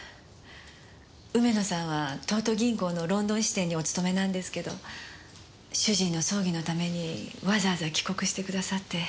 梅野さんは東都銀行のロンドン支店にお勤めなんですけど主人の葬儀のためにわざわざ帰国してくださって。